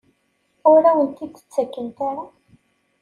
Ur awen-t-id-ttakent ara?